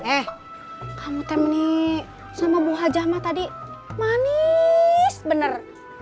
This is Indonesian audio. eh kamu temen nih sama bu hajah mah tadi manis bener